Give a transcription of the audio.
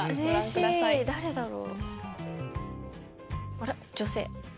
あら⁉女性。